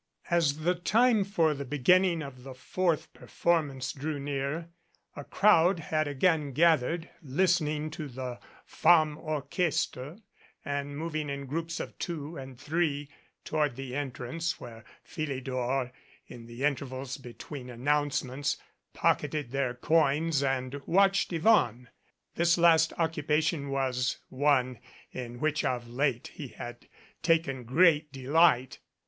As the time for the beginning of the fourth performance drew near, a 201 MADCAP crowd had again gathered, listening to the Femme Orches tre and moving in groups of two and three toward the en trance where Philidor in the intervals between announce ments pocketed their coins and watched Yvonne. This last occupation was one in which of late he had taken great delight.